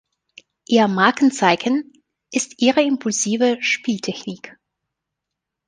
Ihr Markenzeichen ist ihre impulsive Spieltechnik.